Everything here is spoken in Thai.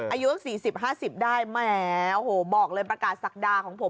อายุ๔๐๕๐ได้แหมโอ้โหบอกเลยประกาศศักดาของผม